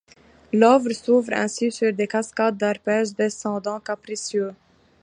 L'œuvre s'ouvre ainsi sur des cascades d'arpèges descendants, capricieux.